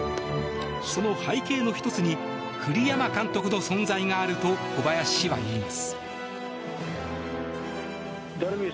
その背景の１つに栗山監督の存在があると小林氏は言います。